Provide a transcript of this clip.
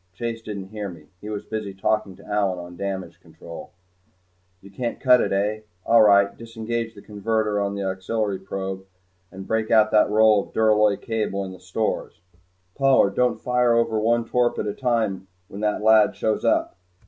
Chase didn't hear me. He was busy talking to Allyn on damage control. "You can't cut it, hey? All right disengage the converter on the auxiliary probe and break out that roll of duralloy cable in the stores Pollard! don't fire over one torp at a time when that lad shows up.